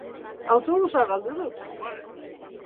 Autobusa galdu dut!